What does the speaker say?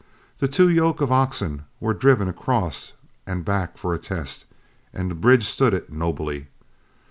The two yoke of oxen were driven across and back for a test, and the bridge stood it nobly.